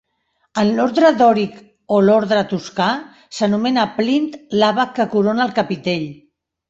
En l'ordre dòric o l'ordre toscà, s'anomena plint l'àbac que corona el capitell.